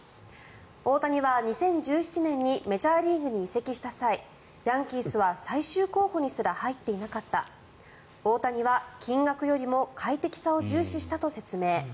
大谷は２０１７年にメジャーリーグに移籍した際ヤンキースは最終候補にすら入っていなかった大谷は金額よりも快適さを重視したと説明。